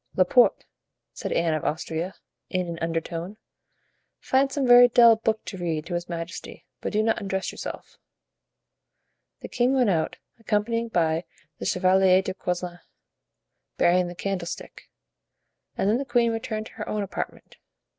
"Laporte," said Anne of Austria, in an undertone, "find some very dull book to read to his majesty, but do not undress yourself." The king went out, accompanied by the Chevalier de Coislin, bearing the candlestick, and then the queen returned to her own apartment.